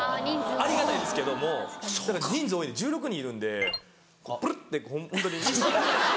ありがたいんですけども人数多いんで１６人いるんでブルルってホントに。